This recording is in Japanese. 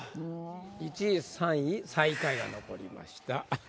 １位３位最下位が残りました。